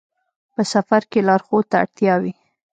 په سفر کې لارښود ته اړتیا وي.